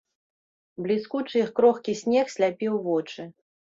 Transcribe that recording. Бліскучы і крохкі снег сляпіў вочы.